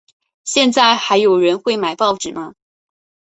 现在还有人会买报纸吗？